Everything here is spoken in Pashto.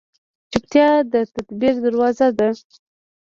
چپتیا، د تدبیر دروازه ده.